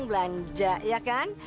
belanja ya kan